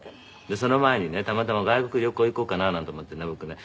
でその前にねたまたま外国へ旅行行こうかななんて思ってね